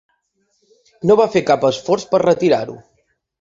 No va fer cap esforç per retirar-ho.